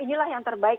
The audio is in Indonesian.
inilah yang terbaik